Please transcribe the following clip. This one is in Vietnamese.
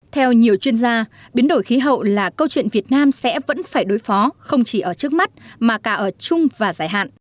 theo nhiều chuyên gia biến đổi khí hậu là câu chuyện việt nam sẽ vẫn phải đối phó không chỉ ở trước mắt mà cả ở chung và dài hạn